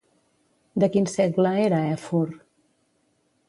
De quin segle era Èfor?